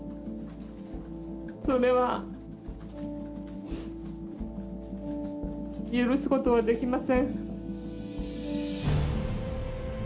それは許すことはできません。